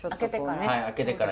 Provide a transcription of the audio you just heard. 開けてから？